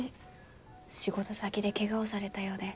仕事先で怪我をされたようで。